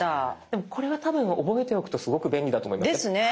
でもこれは多分覚えておくとすごく便利だと思います。ですね。